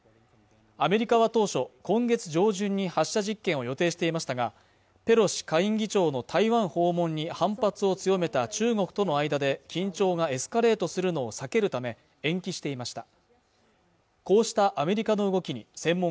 アメリカは当初今月上旬に発射実験を予定していましたがペロシ下院議長の台湾訪問に反発を強めた中国との間で緊張がエスカレートするのを避けるため延期していました